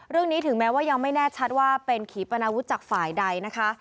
เรื่องนี้ถึงแม้ว่ายังไม่แน่ชัดว่าเป็นขีปนวุฒิจากฝ่ายใดนะคะ